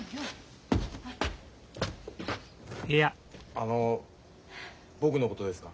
あの僕のことですか。